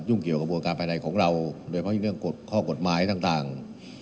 ยุ่งเกี่ยวกับวัตการณ์ภายในของเราโดยเฉพาะเรื่องข้อกฎหมายต่าง